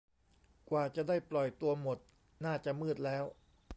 กว่าจะได้ปล่อยตัวหมด น่าจะมืดแล้ว